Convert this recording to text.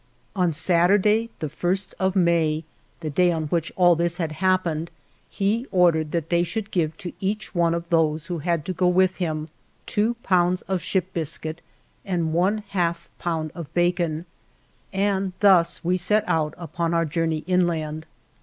ON Saturday, the 1st of May, the day on which all this had happened, he ordered that they should give to each one of those who had to go with him, two pounds of ship biscuit and one half pound of bacon, and thus we set out upon our journey inland.